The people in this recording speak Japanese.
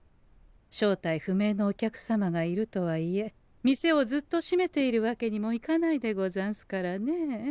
正体不明のお客様がいるとはいえ店をずっと閉めているわけにもいかないでござんすからね。